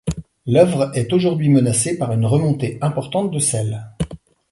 L'œuvre est aujourd'hui menacée par une remontée importante de sel.